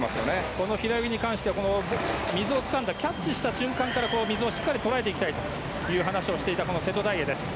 この平泳ぎに関しては水をつかんでキャッチした瞬間から水をしっかり捉えていきたいと話していた瀬戸大也です。